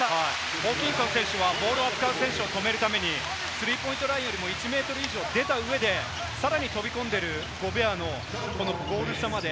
ホーキンソン選手はボールを扱う選手を止めるためにスリーポイントラインよりも１ｍ以上出た上で、さらに飛び込んでいるゴベアの、このゴール下まで。